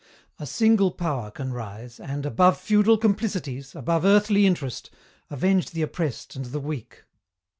"A single power can rise and, above feudal complicities, above earthly interest, avenge the oppressed and the weak.